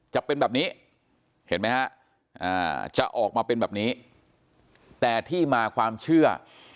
จะเป็นแบบนี้เห็นไหมฮะจะออกมาเป็นแบบนี้แต่ที่มาความเชื่อ